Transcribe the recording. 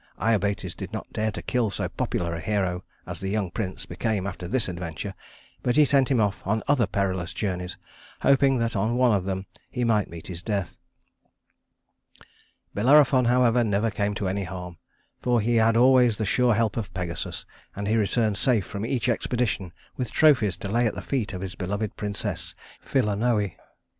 Iobates did not dare to kill so popular a hero as the young prince became after this adventure, but he sent him off on other perilous journeys, hoping that on one of them he might meet his death. Bellerophon, however, never came to any harm, for he had always the sure help of Pegasus, and he returned safe from each expedition with trophies to lay at the feet of his beloved princess, Philonoë.